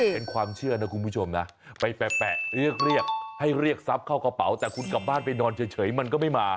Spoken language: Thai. เป็นความเชื่อนะคุณผู้ชมนะไปแปะเรียกเรียกให้เรียกทรัพย์เข้ากระเป๋าแต่คุณกลับบ้านไปนอนเฉยมันก็ไม่มา